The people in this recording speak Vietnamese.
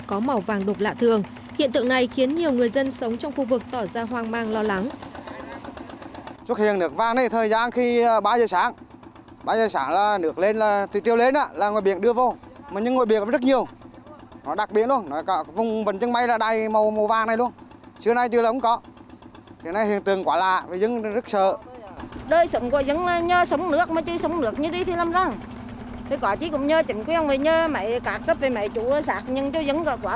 có màu vàng đục lạ thường hiện tượng này khiến nhiều người dân sống trong khu vực tỏ ra hoang mang lo lắng